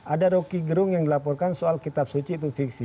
ada roky gerung yang dilaporkan soal kitab suci itu fiksi